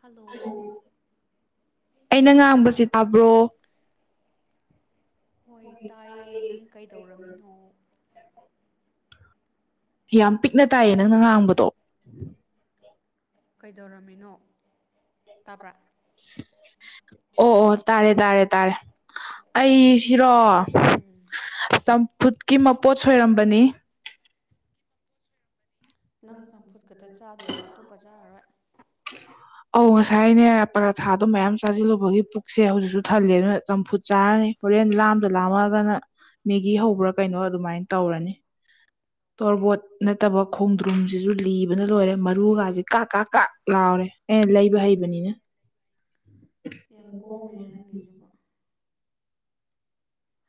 hello ꯑꯩꯅ ꯉꯥꯡꯕꯁꯦ ꯇꯥꯕ꯭ꯔꯣ ꯍꯣꯏ ꯇꯥꯏꯌꯦ ꯅꯪ ꯀꯩꯗꯧꯔꯝꯃꯤꯅꯣ ꯌꯥꯝ ꯄꯤꯛꯅ ꯇꯥꯏꯌꯦ ꯅꯪꯅ ꯉꯥꯡꯕꯗꯣ ꯀꯩꯗꯧꯔꯝꯃꯤꯅꯣ ꯇꯥꯕ꯭ꯔꯥ ꯑꯣ ꯑꯣ ꯇꯥꯔꯦ ꯇꯥꯔꯦ ꯇꯥꯔꯦ ꯑꯩꯁꯤꯔꯣ ꯎꯝ ꯆꯝꯐꯨꯠꯀꯤ ꯃꯄꯣꯠ ꯁꯣꯏꯔꯝꯕꯅꯤ ꯅꯪ ꯆꯝꯐꯨꯠ ꯈꯛꯇ ꯆꯥꯗꯣꯏꯔꯣ ꯑꯇꯣꯞꯄ ꯆꯥꯔꯔꯣꯏ ꯑꯧ ꯉꯁꯥꯏꯅꯦ ꯄꯔꯥꯊꯥꯗꯣ ꯃꯌꯥꯝ ꯆꯥꯖꯤꯜꯂꯨꯕꯒꯤ ꯄꯨꯛꯁꯦ ꯍꯧꯖꯤꯛꯁꯨ ꯊꯜꯂꯦ ꯑꯗꯨꯅ ꯆꯝꯐꯨꯠ ꯆꯥꯔꯅꯤ ꯍꯣꯔꯦꯟ ꯂꯥꯝꯗ ꯂꯥꯝꯃꯛꯑꯒꯅ ꯃꯦꯒꯤ ꯍꯧꯕ꯭ꯔꯥ ꯀꯩꯅꯣ ꯑꯗꯨꯃꯥꯏꯅ ꯇꯧꯔꯅꯤ ꯇꯣꯔꯕꯣꯠ ꯅꯠꯇꯕ ꯈꯣꯡꯗ꯭ꯔꯨꯝꯁꯤꯁꯨ ꯂꯤꯕꯅ ꯂꯣꯏꯔꯦ ꯃꯔꯨꯒꯥꯁꯦ ꯀꯥꯛ ꯀꯥꯛ ꯀꯥꯛ ꯂꯥꯎꯔꯦ ꯑꯩꯅꯥ ꯂꯩꯕ ꯍꯩꯕꯅꯤꯅ ꯌꯥꯝ ꯀꯣꯝꯃꯦꯅꯦ ꯅꯪꯒꯤꯖꯤꯕꯣ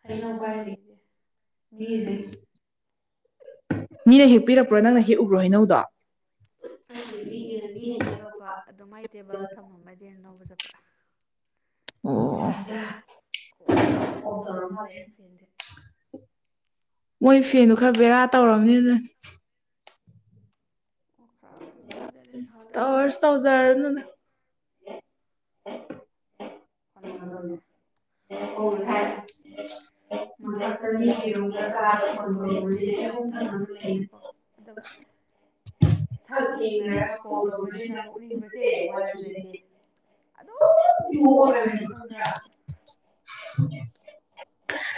[unintelligible] [unintelligible] ꯍꯩꯅꯧ ꯄꯥꯏꯔꯤ ꯑꯩꯗꯤ ꯃꯤꯗꯩ ꯃꯤꯅꯦ ꯍꯦꯄꯤꯔꯛꯄꯥ [unintelligible] ꯄꯔꯣ ꯅꯪꯅ ꯍꯦꯛ ꯎꯕ꯭ꯔꯣ ꯍꯩꯅꯧꯗꯣ ꯅꯠꯇꯦ ꯃꯤꯒꯤ ꯃꯤꯅ ꯍꯦꯛꯂꯛꯄ ꯑꯗꯨ ꯃꯥꯏ ꯇꯦꯕꯜꯗ ꯊꯝꯃꯝꯕ ꯗꯨꯒꯤ ꯑꯩꯅ ꯂꯧꯕ ꯆꯠꯄ ꯌꯥꯝ ꯍꯥꯏꯇ꯭ꯔꯥ ꯑꯣ ꯑꯣꯐ ꯇꯧꯔ ꯃꯥꯜꯂꯦ ꯑꯩꯅ ꯐꯦꯟꯁꯦ ꯃꯣꯏ ꯐꯦꯟꯗ‌ꯣ ꯈꯔ ꯕꯦꯔꯥ ꯇꯧꯔꯝꯅꯤ ꯑꯗꯨꯅꯅꯦ ꯑꯣꯛꯈꯔꯥꯎꯕꯗꯤ ꯆꯥꯖꯔꯦ ꯁꯥꯗꯕꯤꯗ [unintelligible] ꯀꯅ‌ꯣ ꯑꯃ ꯇꯧꯋꯤꯅꯦ ꯑꯣ ꯉꯁꯥꯏ ꯃꯊꯛꯇ [unintelligible] ꯃꯤꯒꯤ ꯔꯨꯝꯗ ꯀꯥꯗ ꯐꯣꯟ ꯇꯧꯔꯨꯕꯁꯦ ꯃꯤ ꯑꯍꯨꯝ ꯊꯪꯅꯅ [unintelligible] ꯂꯩꯅꯀꯣ ꯑꯗꯨꯒ ꯁꯛ [unintelligible] ꯌꯦꯡꯅꯔꯒ ꯀꯣꯜ ꯇꯧꯕꯅꯤꯅ [unintelligible] ꯑꯗꯨ [unintelligible]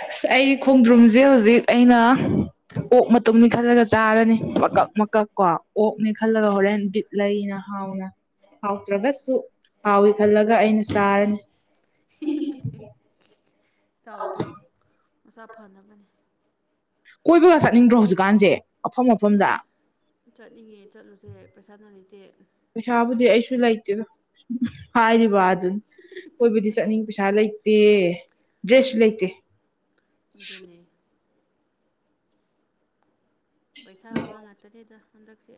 ꯑꯁ ꯑꯩꯒꯤ ꯈꯣꯡꯗ꯭ꯔꯨꯝꯁꯦ ꯍꯧꯖꯤꯛ ꯑꯩꯅ ꯑꯣꯛ ꯃꯇꯨꯝꯅꯤ ꯈꯜꯂꯒ ꯆꯥꯔꯅꯤ ꯃꯀꯛ ꯃꯀꯛ ꯀꯣ ꯑꯣꯛꯅꯤ ꯈꯜꯂꯒ ꯍꯣꯔꯦꯟ ꯕꯤꯠ ꯂꯩꯅ ꯍꯥꯎꯅ ꯍꯥꯎꯇ꯭ꯔꯒꯁꯨ ꯍꯥꯎꯋꯤ ꯈꯜꯂꯒ ꯑꯩꯅ ꯆꯥꯔꯅꯤ [unintelligible] ꯆꯥꯎ ꯆꯥꯎ ꯃꯁꯥ ꯐꯅꯕꯅꯦ ꯀꯣꯏꯕꯒ ꯆꯠꯅꯤꯡꯗ꯭ꯔꯣ ꯍꯧꯖꯤꯛꯀꯥꯟꯁꯦ ꯃꯐꯝ ꯃꯐꯝꯗ ꯆꯠꯅꯤꯡꯉꯦ ꯆꯠꯂꯨꯁꯦ ꯄꯩꯁꯥꯅ ꯂꯩꯇꯦ ꯄꯩꯁꯥꯕꯨꯗꯤ ꯑꯩꯁꯨ ꯂꯩꯇꯦꯗ ꯍꯥꯏꯔꯤꯕ ꯑꯗꯨꯅꯤ ꯀꯣꯏꯕꯗꯤ ꯆꯠꯅꯤꯡ ꯄꯩꯁꯥ ꯂꯩꯇꯦ ꯗ꯭ꯔꯦꯁꯁꯨ ꯂꯩꯇꯦ ꯑꯗꯨꯅꯦ ꯄꯩꯁꯥ ꯋꯥ ꯉꯥꯛꯇꯅꯦꯗ ꯍꯟꯗꯛꯁꯦ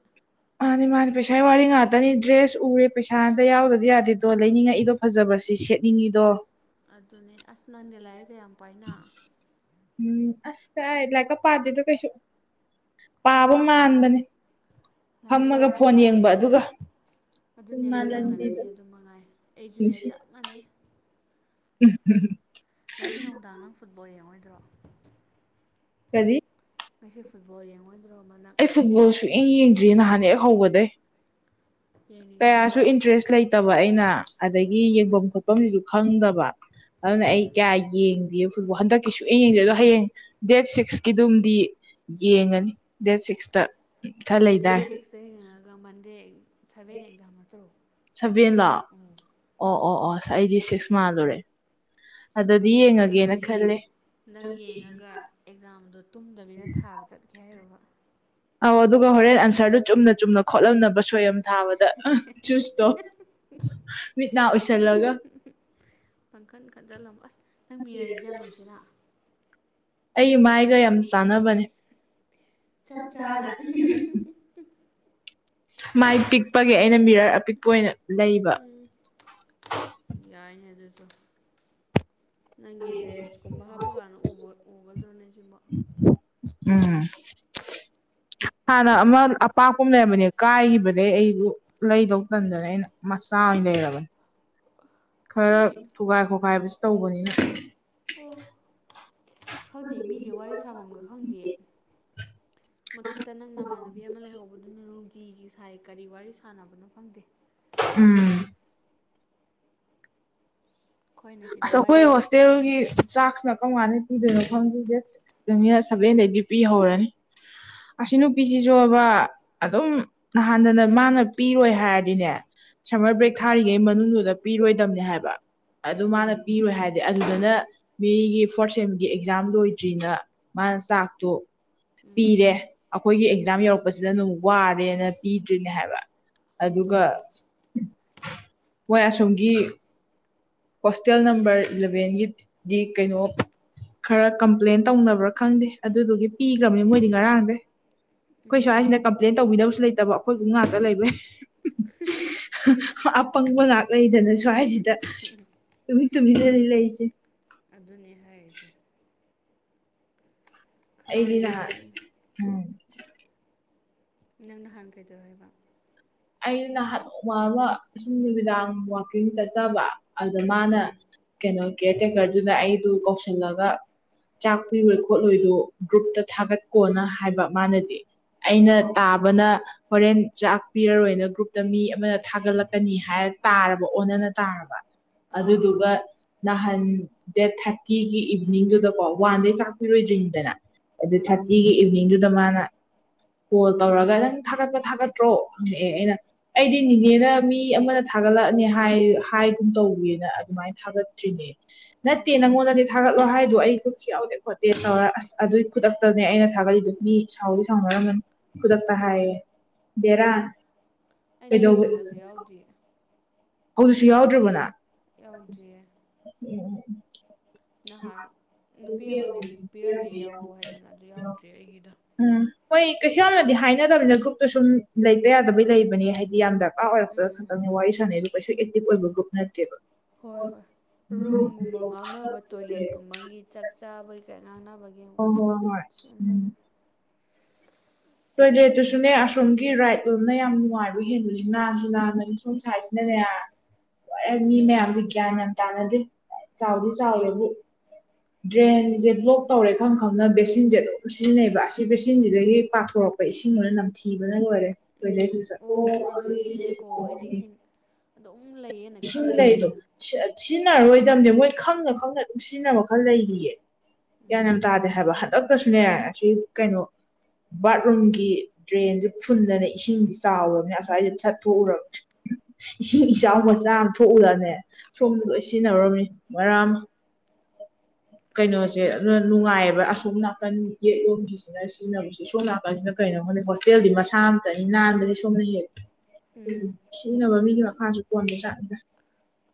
ꯃꯥꯅꯦ ꯃꯥꯅꯦ ꯄꯩꯁꯥꯏ ꯋꯥꯔꯤ ꯉꯥꯛꯇꯅꯤ ꯗ꯭ꯔꯦꯁ ꯎꯔꯦ ꯄꯩꯁꯥ ꯑꯝꯇ ꯌꯥꯎꯗ꯭ꯔꯗꯤ ꯌꯥꯗꯦꯗꯣ ꯂꯩꯅꯤꯡꯉꯛꯏꯗꯣ ꯐꯖꯕꯁꯤ ꯁꯦꯠꯅꯤꯡꯉꯤꯗꯣ ꯑꯗꯨꯅꯦ ꯑꯁ ꯅꯪꯗꯤ ꯂꯥꯏꯔꯤꯛꯀ ꯌꯥꯝ ꯄꯥꯏꯅ ꯎꯝ ꯑꯁ ꯀꯥꯏ ꯂꯥꯏꯔꯤꯛꯀ ꯄꯥꯗꯦꯗ ꯀꯩꯁꯨꯛ ꯄꯥꯕ ꯃꯥꯟꯕꯅꯦ ꯂꯥꯏꯔꯤꯛꯀ ꯐꯝꯃꯒ ꯌꯥꯝ ꯐꯣꯟ ꯌꯦꯡꯕ ꯊꯝꯃꯦꯅ ꯑꯗꯨꯒ ꯑꯗꯨꯅꯦ ꯂꯣꯏ ꯇꯧꯅꯔꯤꯛꯏꯁꯦ ꯑꯗꯨ ꯃꯉꯥꯏ ꯑꯩꯁꯨꯅꯦ ꯄꯨꯟꯁꯤ ꯆꯞ ꯃꯥꯟꯅꯩ [unintelligible] ꯉꯁꯤ ꯅꯨꯡꯗꯥꯡ ꯅꯪ ꯐꯨꯠꯕꯣꯜ ꯌꯦꯡꯉꯣꯏꯗ꯭ꯔꯣ ꯀꯔꯤ ꯉꯁꯤ ꯐꯨꯠꯕꯣꯜ ꯌꯦꯡꯉꯣꯏ ꯑꯩ ꯐꯨꯠꯕꯣꯜ ꯁꯨ ꯌꯦꯡ ꯌꯦꯡꯗ꯭ꯔꯤꯌꯦ ꯅꯍꯥꯟ ꯌꯦꯛ ꯍꯧꯕꯗꯩ ꯌꯦꯡꯅꯤꯡꯗ꯭ꯔꯣ ꯀꯌꯥꯁꯨ ꯏꯟꯇꯔꯦꯁ ꯂꯩ ꯇꯕ ꯑꯩꯅ ꯑꯗꯒꯤ ꯑꯣ ꯌꯦꯡꯕꯝ ꯈꯣꯠꯄꯝꯖꯤꯖꯨ ꯈꯪꯗꯕ ꯑꯗꯨꯅ ꯑꯩ ꯎꯝ ꯀꯌꯥ ꯌꯦꯡꯗꯦ ꯑꯗꯨꯕꯨ ꯍꯟꯗꯛꯀꯤ ꯁꯨꯌꯦꯡ ꯌꯦꯡꯗꯦ ꯑꯗꯣ ꯍꯌꯦꯡ ꯗꯦꯠ ꯁꯤꯛꯁꯀꯤꯗꯨꯝꯗꯤ ꯌꯦꯡꯉꯅꯤ ꯗꯦꯠ ꯁꯤꯛꯁꯇ ꯈꯔ ꯗꯦꯠ ꯂꯩꯗꯥꯏ ꯁꯤꯛꯁꯇ ꯌꯦꯡꯉꯒ ꯃꯟꯗꯦ ꯁꯚꯦꯟ ꯑꯦꯛꯖꯥꯝ ꯅꯠꯇ꯭ꯔꯣ ꯁꯚꯦꯟꯂꯣ ꯎꯝ ꯑꯣ ꯑꯣ ꯑꯣꯁ ꯑꯩꯗꯤ ꯁꯤꯛꯁ ꯃꯥꯜꯂꯨꯔꯦ ꯑꯗꯨꯗꯤ ꯌꯦꯡꯉꯒꯦꯅ ꯑꯗꯨꯗꯤ ꯈꯜꯂꯦ ꯅꯪ ꯌꯦꯡꯉꯒ ꯑꯦꯛꯖꯥꯝꯗꯣ ꯇꯨꯝꯗꯕꯤꯗ ꯊꯥꯕ ꯆꯠꯀꯦ ꯍꯥꯏꯔꯨꯕ ꯑꯧ ꯑꯗꯨꯒ ꯍꯣꯔꯦꯟ ꯑꯟꯁꯔꯗꯣ ꯆꯨꯝꯅ ꯆꯨꯝꯅ ꯈꯣꯠꯂꯝꯅꯕ ꯁꯣꯏꯌꯝ ꯊꯥꯕꯗ ꯑꯍ ꯆꯨꯁꯇꯣ ꯃꯤꯠ ꯅꯥ ꯎꯏꯁꯜꯂꯒ ꯄꯡꯈꯟ ꯈꯟꯖꯜꯂꯝꯃꯣ ꯑꯁ ꯅꯪ ꯃꯤꯔꯔꯖꯤꯖꯨ ꯌꯥꯝ ꯅꯨꯡꯁꯤꯅ ꯑꯩ ꯃꯥꯏꯒ ꯌꯥꯝ ꯆꯥꯟꯅꯕꯅꯦ ꯆꯞ ꯆꯥꯅ ꯃꯥꯏ ꯄꯤꯛꯄꯒꯤ ꯑꯩꯅ ꯃꯤꯔꯔ ꯑꯄꯤꯛꯄ ꯑꯣꯏꯅ ꯂꯩꯕ ꯎꯝ ꯌꯥꯏꯅꯦ ꯑꯗꯨꯁꯨ ꯅꯪꯒꯤ ꯗ꯭ꯔꯦꯁꯀꯨꯝꯕ ꯍꯥꯞꯄꯀꯥꯟꯗ ꯎꯕ ꯎꯒꯗ꯭ꯔꯣꯅꯦ ꯁꯤꯕꯣ ꯎꯝ ꯍꯥꯟꯅ ꯑꯃ ꯑꯄꯥꯛꯄꯝ ꯂꯩꯔꯝꯕꯅꯦ ꯀꯥꯏꯒꯤꯕ ꯗꯩꯩ ꯑꯩꯕꯨ ꯂꯩꯗꯧ ꯇꯟꯗꯅ ꯑꯩꯅ ꯃꯆꯥ ꯑꯣꯏꯅ ꯂꯩꯔꯕꯅꯦ ꯈꯔ ꯁꯤꯗꯤ ꯊꯨꯒꯥꯏ ꯈꯣꯈꯥꯏꯕꯁꯤ ꯇꯧꯕꯅꯤꯅ ꯑꯣ ꯈꯪꯗꯦ ꯃꯤꯁꯦ ꯋꯥꯔꯤ ꯁꯥꯐꯝꯒ ꯈꯪꯗꯦ ꯃꯊꯛꯇ ꯅꯪ ꯅꯃꯥꯟꯅꯕꯤ ꯑꯃ ꯂꯩꯍꯧꯕꯗꯨꯅ ꯅꯨꯡꯇꯤꯒꯤ ꯁꯥꯏ ꯀꯔꯤ ꯋꯥꯔꯤ ꯁꯥꯟꯅꯕꯅꯣ ꯈꯪꯗꯦ ꯎꯝ ꯑꯩꯈꯣꯏꯅ ꯁꯤꯗ ꯑꯁ ꯑꯩꯈꯣꯏ ꯋꯥꯔꯤꯁꯦ ꯍꯣꯁꯇꯦꯜꯒꯤ ꯆꯥꯛꯁꯤꯅ ꯀꯔꯝ ꯀꯥꯟꯗ ꯄꯤꯗꯣꯏꯅꯣ ꯈꯪꯗꯦ ꯗꯦꯠ ꯁꯤꯛꯁꯇꯩꯅ ꯁꯚꯦꯟꯗꯩꯗꯤ ꯄꯤ ꯍꯧꯔꯅꯤ ꯑꯁꯤ ꯅꯨꯄꯤꯁꯤꯁꯨꯕ ꯑꯗꯨꯝ ꯅꯍꯥꯟꯗꯅ ꯃꯥꯅ ꯄꯤꯔꯣꯏ ꯍꯥꯏꯔꯗꯤꯅꯦ ꯁꯝꯃꯔ ꯕ꯭ꯔꯦꯛ ꯊꯥꯔꯤꯉꯩ ꯃꯅꯨꯡꯗꯨꯗ ꯄꯤꯔꯣꯏꯗꯝꯅꯤ ꯍꯥꯏꯕ ꯑꯗꯨ ꯃꯥꯅ ꯑꯗꯨꯅꯤ ꯄꯤꯔꯣꯏ ꯍꯥꯏ ꯑꯗꯨꯗꯅ ꯃꯤꯒꯤ ꯐꯣꯔꯠ ꯁꯦꯝꯒꯤ ꯑꯦꯛꯖꯥꯝ ꯂꯣꯏꯗ꯭ꯔꯤꯅ ꯃꯥꯅ ꯆꯥꯛꯇꯣ ꯎꯝ ꯄꯤꯔꯦ ꯑꯩꯈꯣꯏꯒꯤ ꯑꯦꯛꯖꯥꯝ ꯌꯧꯔꯛꯄꯁꯤꯗꯅ ꯋꯥꯔꯦꯅ ꯄꯤꯗ꯭ꯔꯤꯅꯦ ꯍꯥꯏꯕ ꯑꯗꯨꯒ ꯑꯗꯨꯅꯤ ꯃꯣꯏ ꯑꯁꯣꯝꯒꯤ ꯍꯣꯁꯇꯦꯜ ꯅꯝꯕꯔ ꯏꯂꯚꯦꯟꯒꯤꯗꯤ ꯀꯩꯅꯣ ꯈꯔ ꯀꯝꯄ꯭ꯂꯦꯟ ꯇꯧꯅꯕ꯭ꯔꯥ ꯈꯪꯗꯦ ꯑꯗꯨꯗꯨꯒꯤ ꯄꯤꯈ꯭ꯔꯕꯅꯤ ꯃꯣꯏꯗꯤ ꯉꯔꯥꯡꯗꯩ ꯑꯩꯈꯣꯏ ꯁ꯭ꯋꯥꯏꯁꯤꯅ ꯀꯝꯄ꯭ꯂꯦꯟ ꯇꯧꯕꯤꯅꯕꯁꯨ ꯂꯩꯇꯕ ꯑꯩꯈꯣꯏꯒꯨꯝ ꯉꯥꯛꯇ ꯂꯩꯕꯩ ꯑꯄꯪꯕ ꯉꯥꯛ ꯂꯩꯗꯅ ꯁ꯭ꯋꯥꯏꯁꯤꯗ ꯇꯨꯃꯤꯟ ꯇꯨꯃꯤꯟꯅꯅꯦ ꯂꯩꯁꯦ ꯑꯗꯨꯅꯦ ꯍꯥꯏꯔꯤꯁꯦ ꯑꯩꯗꯤ ꯈꯪꯗꯦ ꯅꯍꯥꯟ ꯎꯝ ꯅꯪ ꯅꯍꯥꯟ ꯀꯩꯗꯧꯏ ꯍꯥꯏꯕ ꯑꯩ ꯅꯍꯥꯟ ꯅꯣꯡꯃ ꯑꯃ ꯁꯨꯝ ꯅꯨꯃꯤꯗꯥꯡ ꯋꯥꯀꯤꯡ ꯆꯠꯆꯕ ꯑꯗꯨꯗ ꯃꯥꯅ ꯎꯝ ꯀꯩꯅꯣ ꯀꯦꯌꯔ ꯇꯦꯀꯔꯗꯨꯅ ꯑꯩꯗꯨ ꯀꯧꯁꯤꯜꯂꯒ ꯆꯥꯛ ꯄꯤꯔꯣꯏ ꯈꯣꯠꯂꯣꯏꯗꯣ ꯒ꯭ꯔꯨꯞꯇ ꯊꯥꯒꯠꯀꯣꯅ ꯍꯥꯏꯕ ꯃꯥꯅꯗꯤ ꯑꯩꯅ ꯑꯥ ꯇꯥꯕꯅ ꯍꯣꯔꯦꯟ ꯆꯥꯛ ꯄꯤꯔꯔꯣꯏꯅ ꯒ꯭ꯔꯨꯞꯇ ꯃꯤ ꯑꯃꯅ ꯊꯥꯒꯠꯂꯛꯀꯅꯤ ꯍꯥꯏꯔ ꯇꯥꯔꯕ ꯑꯣꯟꯅꯅ ꯇꯥꯔꯕ ꯑꯥ ꯑꯥ ꯑꯗꯨꯗꯨꯒ ꯅꯍꯥꯟ ꯗꯦꯠ ꯊꯥꯔꯇꯤꯒꯤ ꯏꯚꯤꯅꯤꯡꯗꯨꯗꯀꯣ ꯋꯥꯟ ꯗꯦ ꯆꯥꯛꯄꯤꯔꯣꯏꯗ꯭ꯔꯤꯉꯗꯅ ꯑꯥ ꯑꯗꯨ ꯊꯥꯔꯇꯤꯒꯤ ꯏꯚꯤꯅꯤꯡꯗꯨꯗ ꯃꯥꯅ ꯀꯣꯜ ꯇꯧꯔꯒ ꯅꯪ ꯊꯥꯒꯠꯄ ꯊꯥꯒꯠꯇ꯭ꯔꯣ ꯅ ꯑꯩꯗꯤ ꯅꯦꯅꯦꯅ ꯃꯤ ꯑꯃꯅ ꯊꯥꯒꯠꯂꯛꯑꯅꯤ ꯍꯥꯏꯒꯨꯝ ꯇꯧꯋꯦꯅ ꯑꯗꯨꯃꯥꯏꯅ ꯊꯥꯒꯠꯇ꯭ꯔꯤꯅꯦ ꯅꯠꯇꯦ ꯅꯪꯉꯣꯟꯗꯗꯤ ꯊꯥꯒꯠꯂꯣ ꯍꯥꯏꯗꯣ ꯑꯩ ꯀꯨꯞꯁꯨ ꯌꯥꯎꯗꯦ ꯈꯣꯠꯇꯦ ꯇꯧꯔ ꯑꯁ ꯑꯗꯨꯏ ꯈꯨꯗꯛꯇꯅꯦ ꯑꯩꯅ ꯊꯥꯒꯠꯂꯤꯗꯨ ꯃꯤ ꯁꯥꯎꯗꯤ ꯁꯥꯎꯅꯔꯝꯒ ꯈꯨꯗꯛꯇ ꯍꯥꯏꯌꯦ ꯕꯦꯔꯥ ꯎꯝ ꯑꯩꯗꯤ ꯀꯩꯗꯧꯕ ꯒ꯭ꯔꯨꯞꯇꯁꯨ ꯌꯥꯎꯗꯦꯌꯦ ꯍꯧꯁꯨ ꯌꯥꯎꯗ꯭ꯔꯕꯅ ꯌꯥꯎꯗ꯭ꯔꯤꯌꯦ ꯎꯝ [inaudible] ꯅꯍꯥꯟ ꯅꯨꯄꯤ ꯑꯃꯗꯤꯗꯤ ꯄꯤꯔꯝꯃꯦ ꯌꯥꯎꯋ ꯍꯥꯏꯗꯅ ꯑꯗꯨ ꯌꯥꯎꯗ꯭ꯔꯤ ꯑꯩꯒꯤꯗ ꯎꯝ ꯍꯣꯏ ꯀꯩꯁꯨ ꯌꯥꯝꯅꯗꯤ ꯍꯥꯏꯅꯗꯕꯅꯤꯅ ꯒ꯭ꯔꯨꯞꯇꯨ ꯁꯨꯝ ꯂꯩꯇ ꯌꯥꯗꯕꯩ ꯂꯩꯕꯅꯦ ꯍꯥꯏꯗꯤ ꯌꯥꯝꯗ ꯑꯥ ꯑꯣꯏꯔꯛꯄ ꯈꯛꯇꯪꯅꯤ ꯋꯥꯔꯤ ꯁꯥꯟꯅꯩꯗꯣ ꯀꯩꯁꯨ ꯑꯦꯛꯇꯤꯚ ꯑꯣꯏꯕ ꯒ꯭ꯔꯨꯞ ꯅꯠꯇꯦꯕ ꯍꯣꯏ ꯍꯣꯏ ꯔꯨꯝꯒꯨꯝꯕ ꯍꯣꯏ ꯉꯥꯡꯅꯕ ꯇꯣꯏꯂꯦꯠꯀꯨꯝꯕꯒꯤ ꯆꯥꯛ ꯆꯥꯕꯩꯀ ꯉꯥꯡꯅꯕ ꯍꯣꯏ ꯍꯣꯏ ꯁꯤꯕ ꯎꯝ ꯇꯣꯏꯂꯦꯠꯇꯨꯁꯨꯅꯦ ꯑꯁꯣꯝꯒꯤ ꯔꯥꯏꯠ ꯂꯣꯕꯅ ꯌꯥꯝ ꯅꯨꯡꯉꯥꯏꯕ ꯌꯦꯦꯜꯂꯅꯤ ꯁꯨ ꯂꯥꯟꯅꯤ ꯁꯣꯝ ꯁꯥꯏꯠꯁꯤꯅꯅꯦ ꯍ ꯃꯤ ꯃꯌꯥꯝꯁꯦ ꯒ꯭ꯌꯥꯟ ꯌꯥꯝ ꯇꯥꯅꯗꯦ ꯆꯥꯎꯗꯤ ꯆꯥꯎꯋꯦꯕꯨ ꯗ꯭ꯔꯦꯟꯁꯦ ꯕ꯭ꯂꯣꯛ ꯇꯧꯔꯦ ꯈꯝ ꯈꯪꯅ ꯕꯦꯁꯤꯟꯁꯦ ꯑꯗꯨꯝ ꯁꯤꯖꯤꯟꯅꯩꯑꯕ ꯑꯁꯤ ꯕꯦꯁꯤꯟꯁꯤꯗꯒꯤ ꯄꯥꯊꯣꯔꯛꯄ ꯑꯩꯣꯏ ꯏꯁꯤꯡ ꯂꯅ ꯅꯝꯊꯤꯕꯅ ꯂꯣꯏꯔꯦ ꯎꯝ ꯇꯣꯏꯂꯦꯠꯁꯤꯁꯨ ꯑꯣ ꯑꯗꯨꯒꯤꯅꯤꯅꯦꯀꯣ ꯑꯩꯅ ꯏꯁꯤꯡ ꯑꯗꯨꯝ ꯂꯩꯌꯦ ꯏꯁꯤꯡ ꯂꯩꯗꯣ ꯁꯤꯖꯤꯟꯅꯔꯔꯣꯏꯗꯕꯅꯦ ꯃꯣꯏ ꯈꯪꯅ ꯈꯪꯅ ꯑꯗꯨꯝ ꯁꯤꯖꯤꯟꯅꯕ ꯈꯔ ꯂꯩꯔꯤꯌꯦ ꯒ꯭ꯟ ꯎꯝ ꯌꯥꯝ ꯇꯥꯗꯦ ꯍꯥꯏꯕ ꯍꯟꯗꯛꯇꯁꯨꯅꯦ ꯑꯁꯤ ꯀꯩꯅꯣ ꯕꯥꯠꯔꯨꯝꯒꯤ ꯗ꯭ꯔꯦꯟꯁꯦ ꯐꯨꯟꯗꯅ ꯏꯁꯤꯡ ꯁꯦ ꯆꯥꯎꯔꯕꯅꯤ ꯑꯁ꯭ꯋꯥꯏꯁꯦ ꯁꯠꯊꯣꯛꯎꯔ ꯏꯁꯤꯡ ꯏꯆꯥꯎ ꯃ [inaudible] ꯃꯖꯥ ꯌꯥꯝ ꯊꯣꯛꯎꯂꯅꯦ ꯁꯣꯝꯗ ꯂꯣꯏ ꯁꯤꯖꯤꯟꯅꯔꯝꯅꯤ ꯃꯔꯔꯥꯡ [unintelligible] ꯀꯩꯅꯣꯁꯦ ꯑꯗꯨꯅ ꯅꯨꯡꯉꯥꯏꯌꯦꯕ ꯑꯁꯣꯝ ꯅꯥꯀꯟ ꯌꯦꯠ ꯂꯣꯝꯁꯤꯁꯦ ꯁꯤ ꯑꯩ ꯁꯤꯖꯤꯟꯅꯕꯕꯁꯤ ꯁꯣꯝ ꯅꯥꯀꯥꯟꯁꯤꯅ ꯀꯩꯅꯣ ꯍꯥꯏꯗ ꯍꯣꯁꯇꯦꯜꯗꯤ ꯃꯁꯥ ꯑꯝꯇꯅꯤ ꯑꯩ ꯅꯥꯟꯕꯗꯤ ꯁꯣꯝꯅ ꯍꯦꯜꯂꯦ ꯎ ꯎꯝ ꯁꯤꯖꯤꯟꯅꯕ ꯃꯤꯒꯤ ꯃꯈꯥꯁꯨ ꯀꯣꯟꯕ ꯆꯠꯅꯤꯗ꯭ꯔ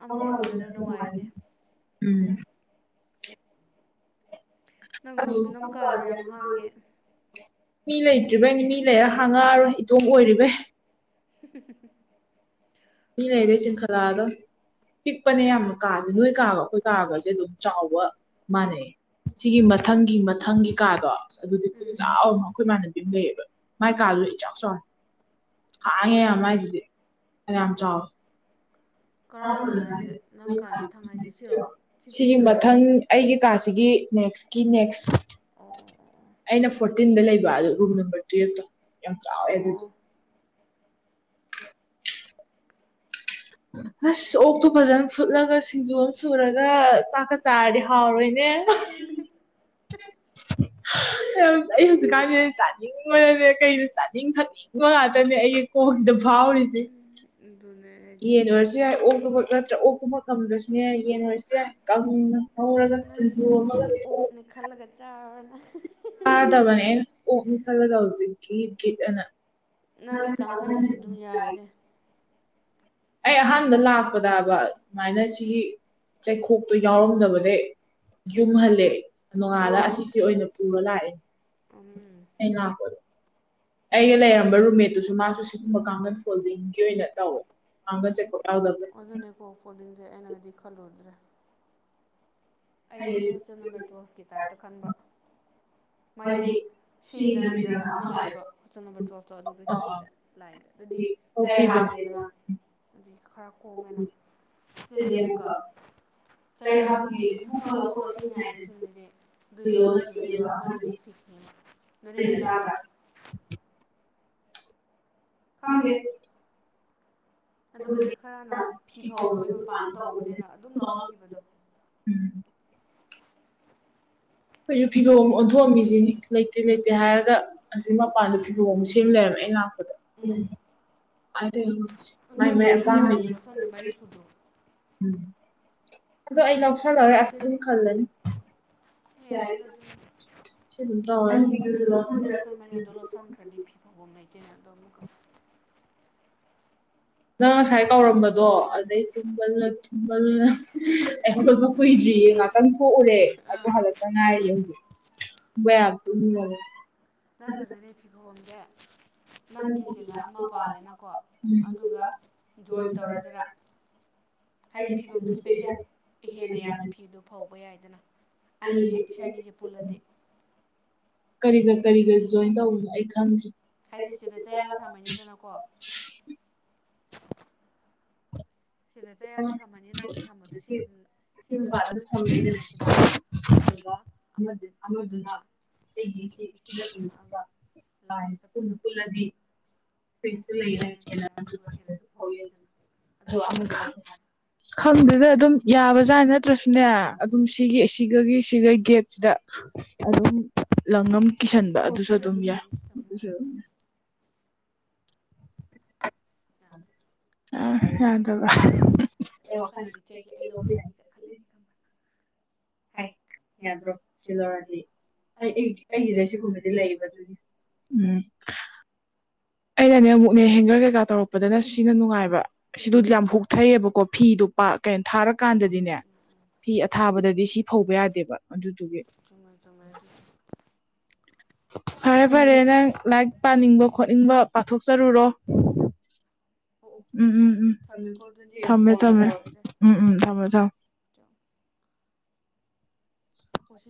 ꯑꯃꯔꯣꯝꯗꯅ ꯅꯨꯡꯉꯥꯏꯅꯤ ꯎꯝ ꯅꯪꯣꯝ ꯑꯁ ꯅꯝꯀꯥꯥꯁꯦ ꯌꯥꯝ ꯍꯥꯡꯉꯦ ꯃꯤ ꯂꯩꯇ꯭ꯔꯤꯕꯩꯅꯤ ꯃꯤ ꯂꯩꯔ ꯍꯥꯡꯉꯛꯑꯔꯣꯏ ꯏꯇꯣꯝ ꯑꯣꯏꯔꯤꯕꯩ ꯍ ꯃꯤ ꯂꯩꯔꯦ ꯆꯤꯡꯈꯠꯂꯛꯑꯗꯣ ꯄꯤꯛꯄꯅꯦ ꯌꯥꯝꯅ ꯀꯥꯁꯦ ꯅꯣꯏ ꯀꯥꯒ ꯑꯩꯈꯣꯏ ꯀꯥꯒꯁꯦ ꯑꯗꯨꯝ ꯆꯥꯎꯕ ꯃꯥꯟꯅꯩ ꯁꯤꯒꯤ ꯃꯊꯪꯒꯤ ꯃꯊꯪꯒꯤ ꯀꯥꯗꯣ ꯑꯗꯨꯗꯤ ꯎꯝ ꯈꯨꯆꯧ ꯑꯩꯈꯣꯏ ꯏꯃꯥꯟꯅꯕꯤ ꯑꯃ ꯂꯩꯌꯦꯕ ꯃꯥꯏ ꯀꯥꯗꯨꯅ ꯑꯆꯧ ꯆꯥꯎꯥꯎ ꯍꯥꯡꯉꯦ ꯃꯥꯏꯗꯨꯗꯤ ꯂꯝ ꯆꯥꯎ [inaudible] ꯀꯔꯝꯕꯗꯅꯣ ꯍꯥꯏꯁꯦ ꯅꯪ ꯀꯥꯏ ꯃꯊꯪ ꯍꯥꯏꯁꯦ ꯁꯤꯔꯣ ꯁꯤꯒꯤ ꯐꯤꯐꯇꯤꯟꯗꯨꯔꯣ ꯃꯊꯪ ꯑꯩꯒꯤ ꯀꯥꯁꯤꯒꯤ ꯅꯦꯛꯁꯀꯤ ꯅꯦꯛꯁ ꯑꯣ ꯑꯣ ꯑꯩꯅ ꯐꯣꯔꯇꯤꯟꯗ ꯂꯩꯕ ꯑꯗꯨ ꯔꯨꯝꯜ ꯅꯝꯕꯔ ꯇꯨꯋꯜꯐꯇꯣ ꯌꯥꯝ ꯆꯥꯎꯋꯦ ꯑꯗꯨꯗꯤ ꯑꯣ ꯑꯣ ꯎ ꯑꯁ ꯑꯣꯛꯇꯣ ꯐꯖꯅ ꯐꯨꯠꯂꯒ ꯁꯤꯡꯖꯨ ꯑꯃ ꯁꯨꯔꯒ ꯆꯥꯛꯀ ꯆꯥꯔꯗꯤ ꯍꯥꯎꯔꯣꯏꯅꯦ ꯎꯝ ꯑꯗꯨꯅꯦ ꯑꯩ ꯍꯧꯖꯤꯛꯀꯥꯟꯁ ꯆꯥꯅꯤꯡꯉꯉꯔꯗꯤ ꯀꯩꯁꯨ ꯆꯥꯅꯤꯡ ꯈꯜꯂꯤ ꯍꯣꯏ ꯉꯥꯛꯇꯅꯦ ꯑꯩ ꯀꯣꯛꯁꯤꯗ ꯐꯥꯎꯔꯤꯁꯦ ꯑꯗꯨꯅꯦ ꯍꯥꯏꯖꯦ ꯌꯦꯟ ꯑꯣꯏꯔꯁꯨ ꯌꯥꯏ ꯑꯣꯛꯛꯇꯕꯛ ꯅꯠꯇ꯭ꯔ ꯑꯣꯛꯀꯨꯝꯕ ꯉꯝꯗ꯭ꯔꯁꯨꯅꯦ ꯌꯥꯏ ꯌꯦꯟ ꯑꯣꯏꯔꯁꯨ ꯌꯥꯏ ꯀꯥꯡꯅ ꯍꯧꯔꯒ ꯅꯪꯒꯤ ꯆꯝꯐꯨꯠꯇꯤ ꯑꯣꯛꯅꯦ ꯈꯜꯂꯒ ꯆꯥꯔꯅ ꯆꯥꯗꯕꯅꯦ ꯑꯅꯥ ꯑꯣꯛꯅ ꯈꯜꯂꯒ ꯍꯧꯖꯤꯛ ꯒꯤ ꯒꯤꯠ ꯑꯅ ꯅꯪꯗꯤ ꯀꯥꯡꯈꯟꯁꯤꯟ ꯑꯗꯨꯝ ꯌꯥꯏꯅꯦ ꯑꯩ ꯑꯍꯥꯟꯕ ꯂꯥꯛꯄꯗꯕ ꯑꯗꯨꯃꯥꯏꯅ ꯁꯤꯒꯤ ꯆꯩꯈꯣꯛꯇꯣ ꯌꯥꯎꯔꯝꯗꯕꯅꯦ ꯌꯨꯝ ꯍꯜꯂꯦ ꯅꯣꯡꯉꯥꯜꯂ ꯑꯣ ꯑꯁꯤꯁꯦ ꯑꯣꯏꯅ ꯄꯨꯔ ꯂꯥꯛꯑꯦꯅꯦ ꯎꯝ ꯑꯩꯅ ꯑꯩꯒ ꯂꯩꯔꯝꯕ ꯔꯨꯝꯃꯦꯠꯇꯨꯁꯨ ꯃꯥꯁꯨ ꯁꯤꯒꯨꯝꯕ ꯀꯥꯡꯒꯟ ꯐꯣꯜꯗꯤꯡꯒꯤ ꯑꯣꯏꯅ ꯇꯧꯋꯦ ꯀꯥꯡꯒꯟ ꯆꯩꯀꯣꯛ ꯌꯥꯎꯗꯕ ꯑꯗꯨꯅꯦꯀꯣ ꯐꯣꯗꯤꯡꯁꯦ ꯑꯩꯅꯒꯗꯤ ꯈꯜꯂꯨꯗ꯭ꯔꯦ ꯑꯩꯅꯗꯤ ꯍꯣꯁꯇꯦꯜ ꯅꯝꯕꯔ ꯇꯨꯋꯜꯐꯀꯤ ꯇꯥꯏꯞꯇ ꯈꯟꯕ ꯍ [inaudible] ꯗꯤ ꯁꯤꯗ ꯃꯤꯗꯜꯗ ꯑꯃ ꯂꯥꯛꯑꯦꯕ ꯀꯣꯏꯁꯟ ꯅꯝꯕꯔ ꯇꯨꯋꯜꯐꯇꯣ ꯑꯗꯨꯒ ꯁꯤꯒꯤꯗ ꯂꯥꯏꯟꯗ ꯑꯗꯨꯗꯤ ꯆꯩ ꯐꯤꯕꯝ ꯍꯥꯞꯇꯦꯗꯅ ꯑꯗꯨꯗꯤ ꯈꯔ ꯀꯣꯝꯃꯦꯅ ꯁꯤꯗꯗꯤ ꯑꯃꯨꯛꯀ ꯆꯍꯤ ꯍꯥꯞꯄꯒꯤ ꯃꯨꯛ ꯂꯕ ꯁꯣꯛꯠꯂꯁꯤ ꯍꯥꯏꯅ ꯁꯤꯁꯤꯡꯅꯗꯤ ꯑꯗꯨꯏ ꯂꯧꯅꯈꯤꯕꯅꯦꯕ ꯑꯃꯗꯨꯗꯤ ꯐꯤꯛꯁꯅꯦꯕ ꯑꯗꯨꯅꯦꯟꯅ ꯆꯥꯗ꯭ꯔꯥ ꯈꯪꯗꯦ ꯑꯗꯨꯒꯗꯤ ꯈꯔꯅ ꯐꯤ ꯐꯧꯅꯕꯒꯤ ꯃꯄꯥꯟꯗ ꯇꯧꯕꯅꯦꯅ ꯑꯗꯨꯝ ꯂꯧꯅꯈꯤꯕꯗꯣ ꯎꯝ ꯀꯩꯁꯨ ꯊꯤꯒ ꯊꯣꯝꯒꯤꯁꯤ ꯂꯩꯇꯦ ꯂꯩꯇꯦ ꯍꯥꯏꯔꯒ ꯑꯁꯤ ꯃꯄꯥꯟꯗ ꯐꯤꯒꯣ ꯑꯃ ꯁꯦꯝ ꯂꯩꯔꯔꯕꯅꯦ ꯑꯩ ꯂꯥꯛꯄꯗ ꯎꯝ ꯑꯗꯨꯗꯣ ꯅꯪꯁꯨ ꯂꯧꯁꯟ ꯋꯥꯅꯤꯌꯦ ꯂꯧꯁꯟꯗꯦ ꯃꯔꯤ ꯁꯨꯗ꯭ꯔꯣ ꯎꯝ ꯑꯗꯣ ꯑꯩ ꯂꯧꯁꯂꯔꯦ ꯑꯁ ꯑꯗꯨꯝ ꯈꯜꯂꯅꯤ ꯌꯥꯏꯗ ꯑꯗꯨ ꯁꯤ ꯑꯗꯨꯝ ꯇꯧꯔꯅꯤ ꯑꯩꯒꯤꯗꯨꯁꯨ ꯂꯧꯁꯟꯖꯔꯛꯈ꯭ꯔꯕꯅꯦ ꯑꯗꯣ ꯂꯧꯁꯟꯈ꯭ꯔꯗꯤ ꯐꯤ ꯐꯥꯎꯕꯝ ꯂꯩꯇꯦꯅ ꯑꯗꯣ ꯑꯃꯨꯛꯀꯣ ꯅꯪ ꯉꯁꯥꯏ ꯀꯧꯔꯝꯕꯗꯣ ꯑꯗꯩ ꯊꯨꯝꯕ ꯑꯩ ꯍꯧꯗꯄ ꯀꯨꯏꯗ꯭ꯔꯤꯌꯦ ꯉꯥꯛꯇꯪ ꯊꯣꯛꯎꯔꯦ ꯑꯗꯨꯣ ꯍꯜꯗꯛ ꯥꯏ ꯍꯧꯖꯤꯇ ꯅꯆꯒꯅꯦ ꯐꯤꯒꯣꯝꯗꯦ ꯅꯪꯒꯤꯁꯤꯗ ꯑꯃ ꯄꯥꯜꯂꯦꯅꯀꯣ ꯑꯗꯨꯒ ꯖꯣꯏꯟ ꯇꯧꯔꯁꯤꯔꯥ ꯍꯥꯏꯗꯤ ꯐꯤꯕꯝꯗꯨ ꯁꯄꯦꯁꯦ ꯍꯦꯟꯅ ꯌꯥꯝꯅ ꯐꯤꯕꯗꯣ ꯐꯧꯕ ꯌꯥꯏꯗꯅ ꯑꯅꯤꯖꯦ ꯁꯅꯤꯖꯦ ꯄꯨꯂꯗꯦ ꯀꯔꯤꯒ ꯀꯔꯤꯒ ꯖꯣꯏꯟ ꯇꯧꯕꯅꯣ ꯑꯩ ꯈꯪꯗ꯭ꯔꯦ ꯍꯥꯏꯗꯤ ꯁꯤꯗ ꯆꯩ ꯑꯃ ꯊꯝꯃꯅꯤꯗꯅꯀꯣ ꯁꯤꯗ ꯆꯩ ꯑꯃ ꯊꯝꯃꯅꯤ ꯅꯪꯒꯤ ꯊꯝꯕꯗꯣ ꯁꯤ ꯁꯤ ꯃꯄꯥꯗ ꯑꯗꯨꯝ ꯊꯝꯃꯦ ꯍꯥꯏꯗꯅ ꯁꯤꯗ ꯑꯗꯨꯒ ꯑꯃꯗꯨꯅ ꯑꯩꯒꯤꯁꯤꯗ ꯆꯤꯡꯉꯛꯑꯒ ꯂꯥꯏꯗ ꯄꯨꯟꯅ ꯄꯨꯜꯂꯗꯤ ꯏꯁꯄꯦꯁꯇꯣ ꯂꯩꯌꯦꯅ ꯍꯦꯟꯅ ꯑꯗꯨꯒ ꯍꯦꯟꯅꯁꯨ ꯐꯥꯎ ꯌꯥꯏꯗꯅ ꯑꯗꯨꯒ ꯑꯃꯗꯨ ꯂꯧꯊꯣꯛ [inaudible] ꯈꯪꯗꯗ ꯑꯗꯨꯝ ꯌꯥꯕꯖꯥꯠ ꯅꯠꯇ꯭ꯔꯁꯨꯅꯦ ꯑꯗꯨꯝ ꯁꯤꯒꯤ ꯁꯤꯒꯒꯤ ꯁꯤꯒ ꯒꯦꯠꯁꯤꯗ ꯑꯗꯨ ꯑꯗꯨꯁꯨ ꯀꯣꯁꯤꯁ ꯑꯗꯨ ꯑꯗꯨꯝ ꯌꯥꯏ ꯑꯁꯤ ꯑꯗꯨꯁꯨ ꯊꯧꯅꯤ [inaudible] ꯑ ꯌꯥ ꯑꯗꯨꯒ ꯑꯩ ꯋꯥꯈꯜꯗꯗꯤ ꯆꯩꯒꯦ ꯑꯩ ꯂꯧꯕ ꯌꯥꯅꯤ ꯈꯜꯂꯤꯅꯤ ꯈꯟꯕꯅꯤ ꯌꯥꯗ꯭ꯔꯣ ꯁꯤ ꯂꯧꯔꯗꯤ ꯑꯩ ꯑꯩꯒꯤꯗ ꯁꯤꯒꯨꯝꯕꯗꯤ ꯂꯩꯕ ꯑꯗꯨꯒꯤ ꯎꯝ ꯑꯩꯅꯅꯦ ꯑꯃꯨꯛꯅꯦ ꯍꯦꯡꯒꯔ ꯀꯩꯀꯥ ꯇꯧꯔꯛꯄꯗꯅ ꯁꯤꯅ ꯅꯨꯡꯉꯥꯏꯕ ꯁꯤꯗ ꯌꯥꯝ ꯍꯨꯛꯊꯩꯑꯕꯀꯣ ꯐꯤꯗꯨ ꯀꯩꯅꯣ ꯊꯥꯔꯀꯥꯟꯗꯗꯤꯅꯦ ꯐꯤ ꯑꯊꯥꯕꯗꯗꯤ ꯁꯤ ꯐꯧꯕ ꯌꯥꯗꯦꯕ ꯑꯗꯨꯗꯨꯒꯤ ꯇꯣꯃꯦꯇꯣ ꯐꯔꯦ ꯐꯔꯦ ꯅꯪ ꯂꯥꯏꯔꯤꯛ ꯄꯥꯅꯤꯡꯕ ꯈꯣꯠꯅꯤꯡꯕ ꯄꯥꯊꯣꯛꯆꯔꯨꯔꯣ ꯑꯣ ꯑꯣ ꯎꯝ ꯎꯝ ꯎꯝ ꯊꯝꯃꯦꯀꯣ ꯑꯗꯨꯗꯤ ꯊꯝꯃꯦ ꯀꯣꯟꯅ ꯊꯝꯃꯦ ꯎꯝ ꯎꯝ ꯊꯝꯃꯦ ꯊꯃꯦ ꯠꯇ ꯑꯣ ꯁꯤ